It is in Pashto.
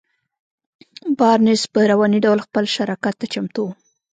بارنس په رواني ډول خپل شراکت ته چمتو و.